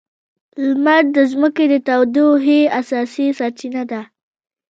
لمر د ځمکې د تودوخې اساسي سرچینه ده.